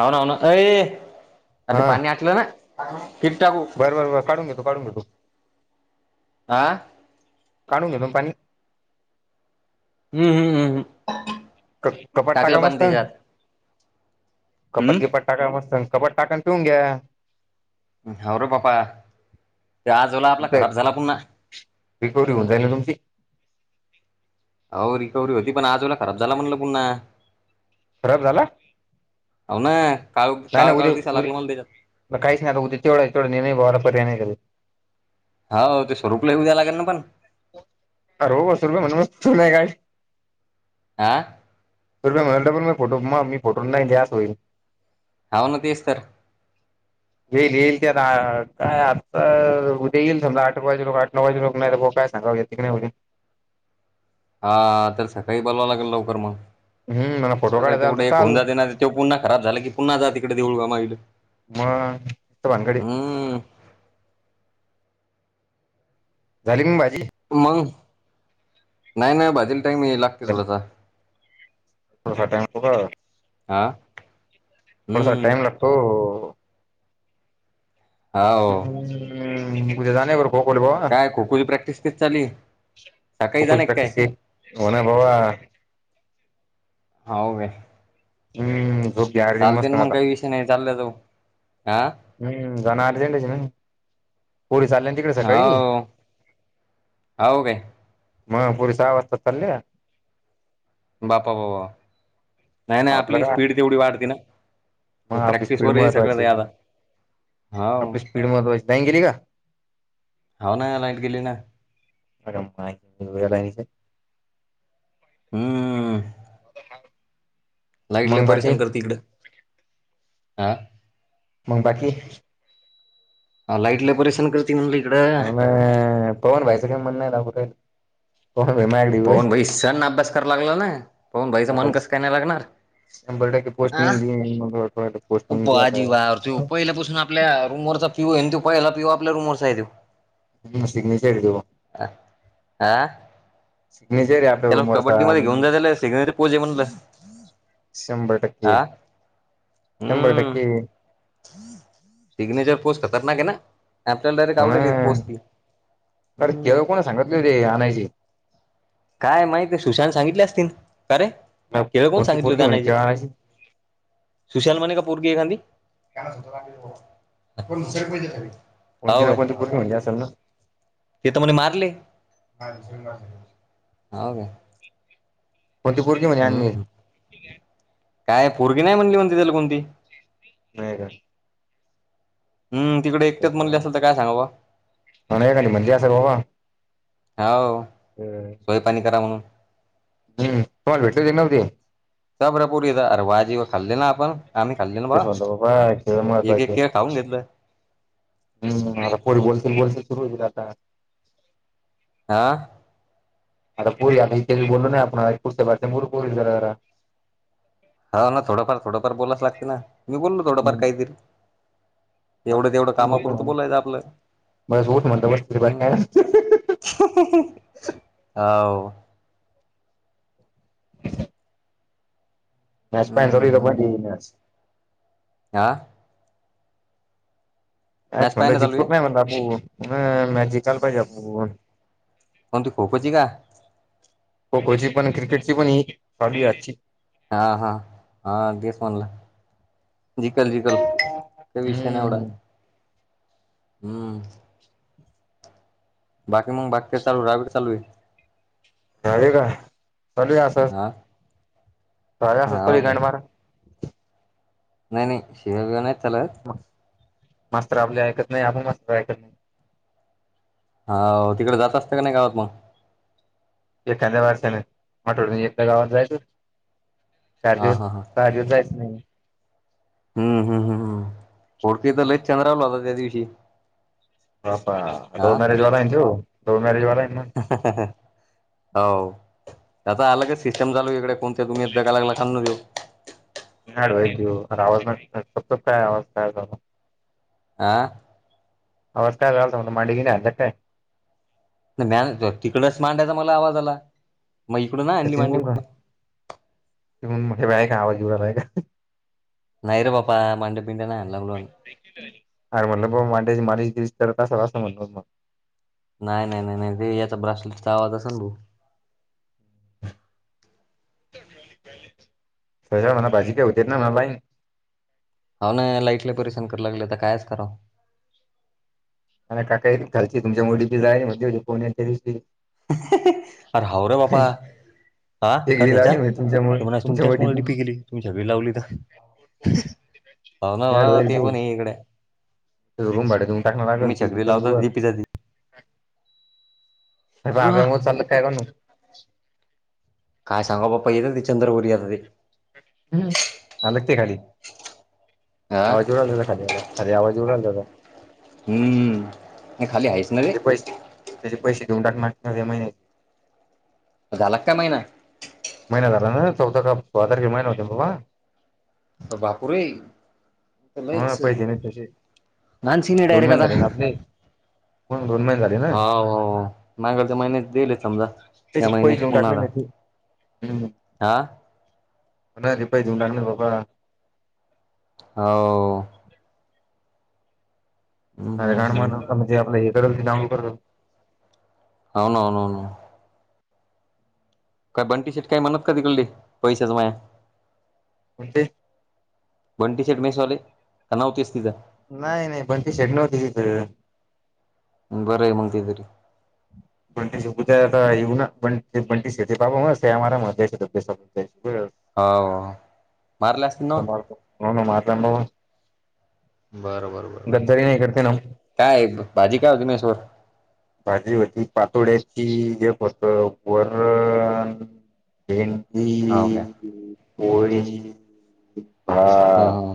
होव ना हो ना एई आ ते हा पणीि आटलं ना िकठाक बर बर काढून घेतो काढून घेतो आह काढून घेतोन पाणी हम्म हम्म हम्म हम्म क कपट टाका टाकलं पाणी मस्त त्याच्यात. कपट हम्म किपट टाका मस्त कबट टाकाण टेऊून घ्या हो रे पापा ते आजोला आपला खराब झाला पुन्हा रिकवर्ही होऊन जाईल ना तुमची हो रिकव्हरी होती पण आजूला खराब झाला म्हणलं पुन्हा खराब झाला अ ना काळ नाही काळं नाही उद्या काळं दिसायला लागलं मला त्याच्यात. उद्या काहीच नाही आता उद्या तेवढं तेवढं निर्णय ब पर्याय नाही हो ते स्वरूपला येऊ द्या लागे ना पण अ र असूर म्हणून मस् नाही काय आह तुपया म्हणा पण म फो मी फोटो नाही द्यास होईल अवन तेस्तर येईल येईल ते आता काय आता उद्या येईल समजा आठ वाजचे लोक आठ नऊ वाजचेे लोक नाही ब काय सांा त नाही हा तर सकाळी बलावावं लागेल लवकर मग हम्म मला फोटो कसं आहे ते काढायचा आला तर कुठे एक चाल होऊन जाते ना तेो पुन्हा खराब झालं की पुन्हा जा तिकडे देळ गमाहिलं मग य भानगडी झाले मग भाजी मग नाही नाही भाजील टाईम लागते थोडासा त सठय पघ आा ळस टाईम लागतो हो हम्म [unintelligible] [unintelligible] काय खो खो ची प्रॅक्टिस कशी चाल्ली. खो खो ची प्रॅक्टिस हे, हो ना बाबा. हाव वे हम्म दो चालते ना मंग काही विषय नाही चालल्या जाऊ आं हम्म जाणं आर्जेंटच हे ना पोलीस आल्या ना तिकडं सकाळी हो हो काय म पोरी सहा वाजताच चाल्या? बापा बाबा नाही नाही आपलं आपली काय स्पीड तेवढी वाढती मग ना आपली प्रॅक्टिस स्पीड वर हे सगळं महत्वाची लय आता हावं आपली स्पीड महत्वाची लाईन गेली का हावं ना, लाईट गेली ना. अग माय, वेळ नाही इथे हम्म [inaudible] लाईट लय मग बाकी परेशान करती इकडं आं मंग बाकी लाईट लय परेशान कर ती म्हणली इकडं पाव्हणं, पवनभाईचं काय म्हणणं हाय राव, पवनभाई माझ्याकडं यील पवन भाई सन्न अभ्यास करायला लागला ना पवनभाईचं मन आता कसं काय नाही लागणार. शंभर टक्के आ पोस्टमन बाजी वा तो [unintelligible] पहिल्यापासून आपल्या रूम वरचा पिऊ हाय ना तो पहिला पिऊ आपल्या रूम वरचा आहे त्यो हे सिग्नेचर देवा हा सिग्नेचर हे त्याला कबड्डी मध्ये घेऊन जा आप त्याला सिग्नेचर पोज आहे म्हणलं [unintelligible] शंभर टक्के हा शंभर हम्म टक्के सिग्नेचर पोस्ट खतरनाक हे ना. आपल्याला डायरेक्ट ना आवडली पोस्ट ती सांगतलेले आणायचे काय माहित सुशांत सांगितले असतील, का रे केळं कोण कोणती सांगितले होते पोरगी म्हणे आणायचे? केळ आणायची सुशाल म्हणे का पोरगी एखांदी? आपण सेट पहिले झाली. कोणती ना कोणती पोरगी म्हणजे असलं ना. तेिथ म्हणे मारले पण ती पोरगी म्हणे आणली. हम्म काय पोरगी नाही म्हणली म्हणते त्याला कोणती. नाही का? हम तिकडं एकट्यात म्हणली असल तर काय सांगावं ब्वा. म्हणे काय म्हणली असलं बाबा. हावं व्हय सोय पाणी करा म्हणून हम्म तुम्हाला भेटली ती नव्हती का? का बरं पोरीला [unintelligible] खाल्ले ना आपण आम्ही खाल्ले ना बा तेच म्हणलो बाबा केळं एक एक महत्वाचे केळ खाऊन घेतलं हम्म पोट बोलतंय बोलतंय सुरु होईल आता आं आता पोरी आता इतक्या दिवस बोललो नाही आपण पुस्तक वाचल्यामुळं बोलू पोरींच्या जरा हाव ना थोडंफार थोडंफार बोलाच लागते ना मी बोललो थोडंफार हम्म काहीतरी एवढं तेवढं कामापुरतं बोलायचं आपलं बस उठ म्हणलं बस हम्म. काय हाव! याच हम्म हम्म पॅन्टरिन न भरलेलं नस आं? काय मॅच पाय छोल्या ना चालू आहे जिकतो नाही म्हणल बापू? जीकायला पाहिजे आपलं बघून. कोणती खो खोची का खोखोची पण क्रिकेटची चालू आहे आजची हा हा हा तेस म्हणला. जिकल जिकल काही विषय नाही एवढा. हम्म हम्म! बाकी मग बाकी काय चालू रानात काय चालू आहे? जाऊया का चालूया असा आ अरे असच गंड मार नाही नाही शिव्या विव्या नाहीत चालत. मास्तर आपले ऐकत नाही आपण मास्तर ऐकत नाही. हाव तिकड जात असतंय का नाही गावात मग? एखाद्या वर्षान आठवडयातन एकदा गावात जायचं. चार हा दिवस हा हा सहा दिवस जायचं नाही. हम्म हम्म हम्म हम घोडके तर लईच चंद्रावला होता त्या दिवशी! तो असा लव्ह हा मॅरेज वाला आहे ना त्यो लव्ह मॅरेज वाला आहे ना मग? हो ते आता अलगच सिस्टम चालू इकडे कोण ते तुम्हीं दगा लागला खालनं देऊ. आवाज काय आवाज कायला करता. आ? आवाज काय यालाराहिता माडगीनय हाणला का काय? नाय मॅ तिकडच मांडायचा मला आवाज आला. मग इकडून नाही आणली सचिन मांडी कोण का त मोठे बा आहे का आवाज येऊरायलाय का नाहीै रे बापा मणडे पिंड नाही आणला ब्लॉगि अरे म्हटल बाबा मांड्याची मालिश-बिलीश करत असेल असं म्हटलं मग नाही नाही नाही नाही ते याचा ब्रासलेटचा आवाज असेल ना भाऊ. साहिल्याला म्हणाव भाजी काय होत्यात मलालाई हाव ना लाईट लय परेशान करू लागलेता कायच करावं! आणि काका काय घालची तुमच्या मुडीची जाळी कोण्याच्या दिवशी अर हऊ रे बाबा! आ कर शेगडी चाच्या लावली म्हणजे ते तुमच्यामुळे म्हणायचं तुमच्या तुमच्यामुळे मूळचं डीपी पोगेली तुमच्या बी लावली तर हाव ना मॅड बा होईल ते पण आहे इकडे. रूम भाड देऊन टाकणार आलं तुम्ही छगडी तर लावताच बर डीपी जाती अरे वा बाब्यामुळे चाललं काय गणू? काय सांगा बाप्पा येत ते चंद्र वर येत ते आलं का ते खाली हा आवाज येऊ राहिला तेजा खाली आवाज येऊ राहिला तेजा. हम्म नाही खाली आहेच. ना रे त्याचे पैसे त्याचे पैसे देऊन टाकणार या महिन्या झाला काय महिना? महिना झाला ना चौदा का सोळा तारखेला महिना होतय बाबा. बापूरे! लयच म्हणून पैसे नाही तसे घाण सीन आहे आता! हो दोन महिने झाले. ना हो हो मागाच्या महिन्यात दिले समजा या त्याचे पैसे महिन्याचे देऊन पुन्हा टाकले आता ना ते हम्म आ! ना रिपाय देऊ लाग ना बाबा हो हम्म अर हम्म कारण मग हम्म म्हणजे आपलं हे करेल ते डाउनलड करेल अननन काय बंटी शेट काही म्हणत का तिकडडे पैसेच माय म्हे वंटी शेट मैसवाले कना होती अस तचा नाही नाही पण त ेड नव्हती तिथ बरय मगतरी बंटस गुता ये ना बनटस ते बाबा म आम म हो मारले असतील ना हो ना म बाबा बरं बरं बरं गद्दारी नाही करते ना काय भाजी काय अघ्नेश्वर भाजी होती पातोळ्याची जे फत वर भेंदी हो काय कोळी हा हा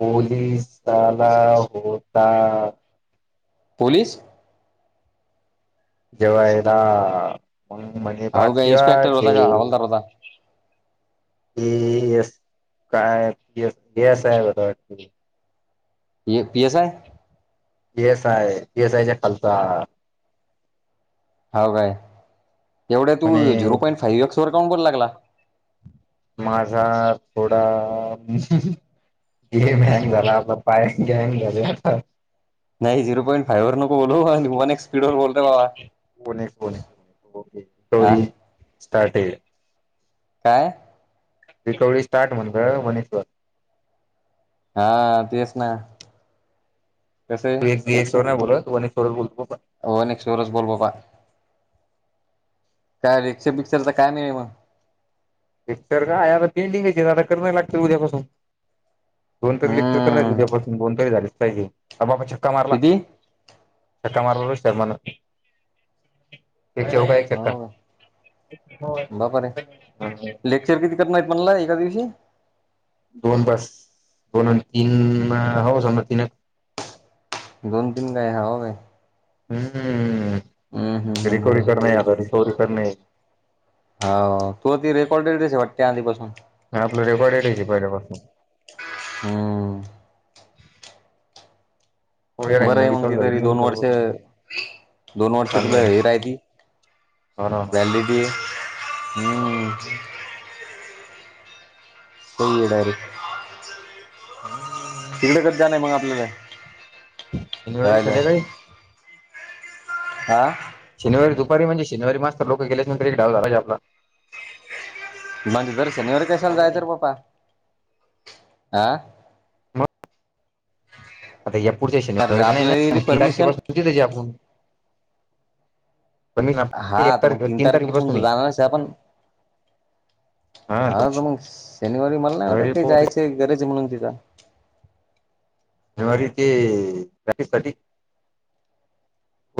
पोलिसला होता पोलीस जेव्हा आहेला मग म्हजे हो का भातवा इन्स्पेक्टर हे होता का हवालदार होता क काय ग सा आहे वा य पी एसय प S I P S I च्या खालचा हा काय एवढे तू म्हणे झिरो पॉईंट फाईव्ह एक्स वर काउंट बोल लागला माझा थोडा गेम हँग झाला पायस घ्यान घल नाही झिरोॉंट फाववर न बोलू एक स्पीड वर बोलते बाबा ओनेक्स हा स्टार्ट काय रिकवर्ही स्टार्ट म्हण मनेश्वर हा तेच ना कस आहे मश्वर नाही बोलतशवर बोलतोण हो नक्टरज बोल बबा काय रिक्श पिक्चर तर काय मिळेल मग पिक्चर काय आता पेंटिंग घ्यायचे आता करण लागत उद्यापासून दोन त ल हम्म उद्यापासून गोण तरी झालीच पाहिजे बाबा क्का मारला किती सट मारवर शमा तेव काा एक चक्का हो बापर रे लेक्चर किती करणार म्हणला एका दिवशी दोन बस दोन आणि आणि तीन म हौस आणि तीन दोन तीन काय हव काय हम्म हम्म हम्म रिकवी हम्म करणे आता रिकवर्हरी करणे होा तू ती रेकॉर्ड रस वाटते आधीपासून आणि आपलं रेकॉर्ड राहिे पहिल्यापासून हम्म हो यार बरं आहे नवी मग त चालू झाली तरी नवी दोन वर्ष चालू करून दोन वर्ष ताण तुला नाही हे राह हो ना त झाली त हम्म हम्म. कोडर हम् तिकडे कच जाणार आहे मग आपल्याला शनिवारी राहायला संध्याकाळी हां शनिारीुपारी म्हणजे शनवारी मस् तर लोक गेले एक डा झालाज आपला म्हणजे जर शनिवारी कशाला आहे का जाय नाही तर प्पा आं मग आता या पुढच्या शनिवळेचा नाही ना ती तारखे पास सु त्याची आपण पण म हा तर एकार मग तीन तारखे तारखेपासून बसु तू मी जाणारच आहे आपण हा तर मग शनिवारी मला नाही वाटत शनिवारी ते पो जायचे गरज म्हणून तिचा ते प्रॅक्टिस सा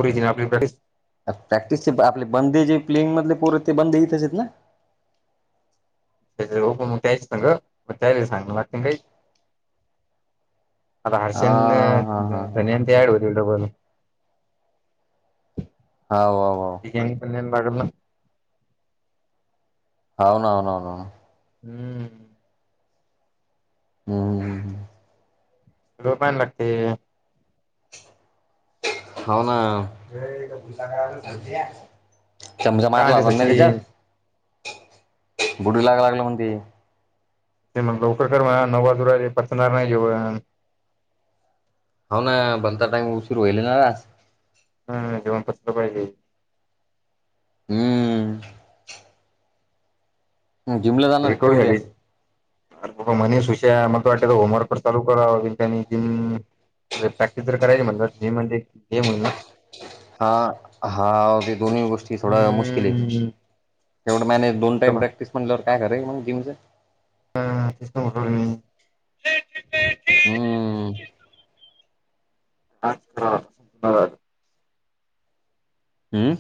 करची ना आपली प्रॅक्टिस प्रॅक्टिसचे आपले बंदे जे प्लेईंग मधले पोर आहेत ते बंद येत अस आहेत ना त्या ओप मग त्यायच ना ग मग त्या सांग का आता हा हर्षन हा हा धनंत याड होते ब हो चिकन पनन लागलं अननन हम्म हम् रोपयण लागते होना चमचा काय मारला ते होता नाही सचिन त्याच्यात बुडू लाग लागलं म्हण ते ते मग लवकर म नवाजुरा पचणार नाही जेव होा ना बनता टाईम उशीरू वईल नाज हा जेवण कसलं पाहिजे हम्म ह जिमला जाणार का रिकवडी उद्या हडीच अर ब मनीस हुश मग त वाट होमवर्क प चालू करानी प्रॅक्टिस जर करायची म्हण जेम म्हणे गेम होईल ना हा हा ते दोन्ही गोष्टी थोडा मुश्किल आहे हम्म एवढं मॅनेस दोन टाइम तेच प्रॅक्टिस म्हणल्यावर काय कराय मग जिमचं हा कृष्ण मठ हम्म अच्छा ध्यवाद हम्म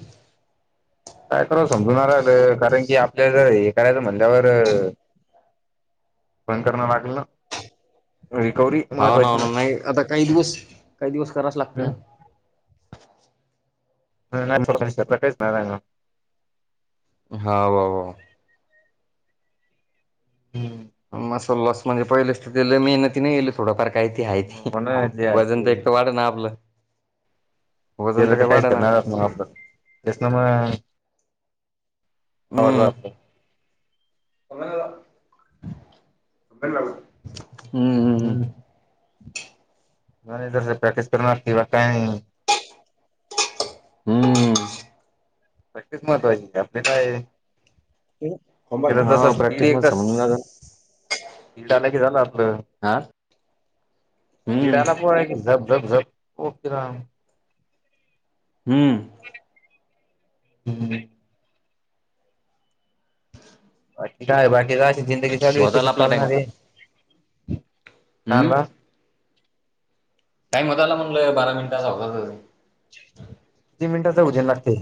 काय कर समजणार कारण की आपल्या जर हे करायचं म्हणल्यावर बंद करण लागल ना रिकवर्ही हा महत्वाची हो ना नाही आता काही दिवस काही दिवस कराच हम्म लागतं ह हा वा वा म सल्लास म्हणजे पहिलेच तर मेहनती नाही येईल थोडंफार काहीती आहे त म्हणा जे आहे वजन ते तर एकटं वाढ ना आपलं वजन गेलं तर काही वाढ काहीच ना करणार मग आपण त्याच ना मग हो ब सनाला अपन वा ह्म मर प्रॅक्टिस करणार कि बा काय नाही हम्म तक्च महत्त्वाची का आपले काय त्या हम्म जस हा स्पीड प्रॅक्टिस मध्ये एकदा समजून जात स्ीड आला की झालं आपलं आ किडाला पो की झप झप झप हो किरा हम्म हम्म बाकी काय बाकी का अशी जिंदगी चालू होत त्याची आला आपला टाइम चालणार आहे हम्म काला टाइम होता आला म्हणलं बारा मिनटाचा होता त तीन मिनटाच उजेन लागते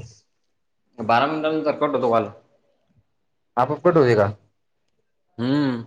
बारा मिनटां तर कट होतो काल आपपट होजे का हम्म